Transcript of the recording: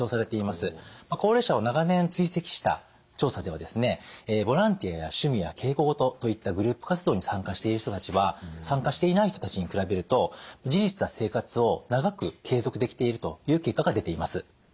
高齢者を長年追跡した調査ではですねボランティアや趣味や稽古事といったグループ活動に参加している人たちは参加していない人たちに比べると自立した生活を長く継続できているという結果が出ています。